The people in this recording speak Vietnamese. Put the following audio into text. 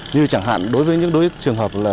như chẳng hạn đối với những trường hợp